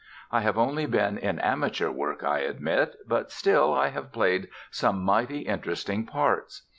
I have only been in amateur work, I admit, but still I have played some mighty interesting parts.